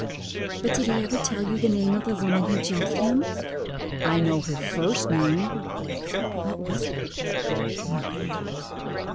"But did he ever tell you the name of the woman who jilted him?" "I know her first name." "What was it?" "Maria."